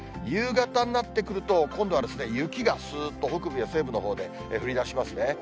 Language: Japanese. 夕方になってくると、今度は雪がすーっと北部や西部のほうで降りだしますね。